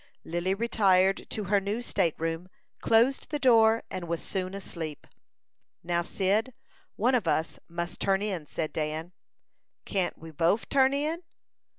Lily retired to her new state room, closed the door, and was soon asleep. "Now, Cyd, one of us must turn in," said Dan. "Can't we bof turn in?"